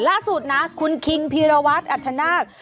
ล่าสุดนะคุณคิงพีรวัตรอัธนาค